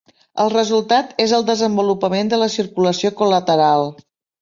El resultat és el desenvolupament de la circulació col·lateral.